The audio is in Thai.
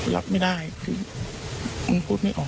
รับไม่ได้มันพูดไม่ออก